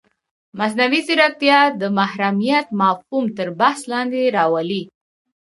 مصنوعي ځیرکتیا د محرمیت مفهوم تر بحث لاندې راولي.